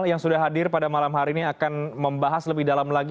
yang sudah hadir pada malam hari ini akan membahas lebih dalam lagi